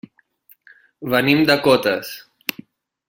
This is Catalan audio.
Venim de Cotes.